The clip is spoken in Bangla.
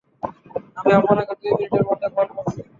আমি আপনাকে দুই মিনিটের মধ্যে কল করছি।